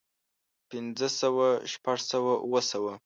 پنځۀ سوه شپږ سوه اووه سوه